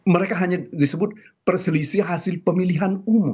mereka hanya disebut perselisih hasil pemilihan umum